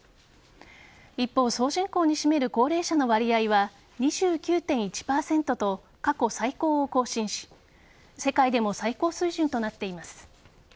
一方総人口に占める高齢者の割合は２９．１％と過去最高を更新し世界でも最高水準となっています。